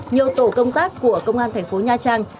nhiều tổ công tác của công an thành phố nha trang